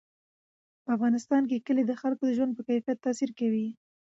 په افغانستان کې کلي د خلکو د ژوند په کیفیت تاثیر کوي.